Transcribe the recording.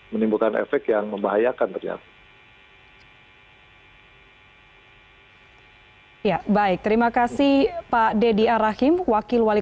menimbulkan efek yang membahayakan ternyata